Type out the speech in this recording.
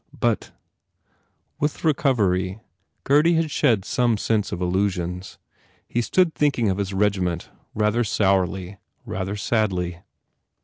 "But " With recovery Gurdy had shed some sense of illusions. He stood thinking of his reg iment rather sourly, rather sadly.